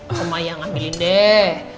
oh ya ambilin deh